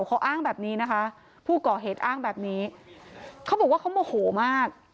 เขาอ้างแบบนี้นะคะผู้ก่อเหตุอ้างแบบนี้เขาบอกว่าเขาโมโหมาก